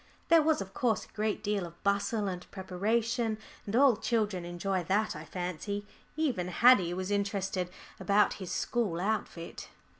There was of course a great deal of bustle and preparation, and all children enjoy that, I fancy. Even Haddie was interested about his school outfit.